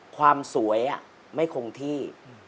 ความสวยไม่คงที่